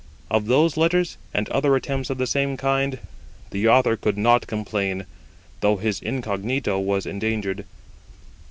] Of those letters, and other attempts of the same kind, the Author could not complain, though his incognito was endangered.